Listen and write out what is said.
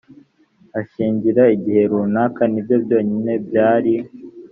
hashira igihe runaka ni byo byonyine byari